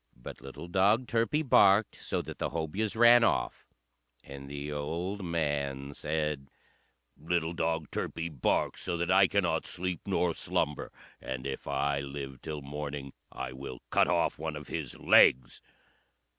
But little dog Turpie barked so that the Hobyahs ran off; and the old man said, "Little dog Turpie barks so that I cannot sleep nor slumber, and if I live till morning I will cut off one of his legs."